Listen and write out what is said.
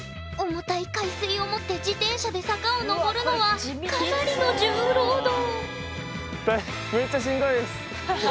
重たい海水を持って自転車で坂をのぼるのはかなりの重労働。